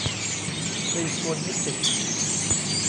ตรีโกณมิติ